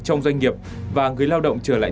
trong doanh nghiệp và người lao động trở lại